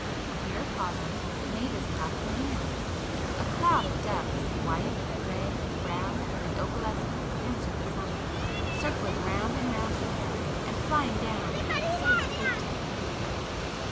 Here pausing, Mavis clapped her hands. A cloud of doves, white, grey, brown, and opalescent answered the summons, circling round and round her head, and flying down in excited groups at her feet.